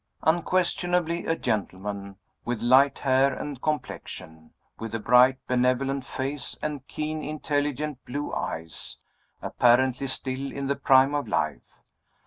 Unquestionably a gentleman with light hair and complexion with a bright benevolent face and keen intelligent blue eyes apparently still in the prime of life.